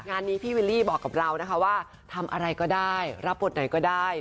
งานนี้พี่วิลลี่บอกกับเรานะคะว่าทำอะไรก็ได้รับบทไหนก็ได้